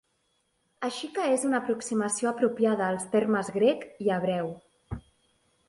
Així que és una aproximació apropiada als termes grec i hebreu.